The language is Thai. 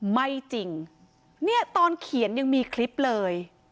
ไม่จริงเนี่ยตอนเขียนยังมีคลิปเลย